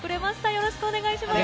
よろしくお願いします。